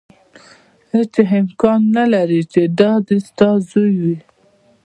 هېڅ امکان نه لري چې دا دې ستا زوی وي.